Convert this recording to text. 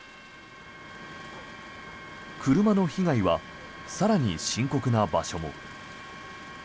車の被害は更に深刻な場所も。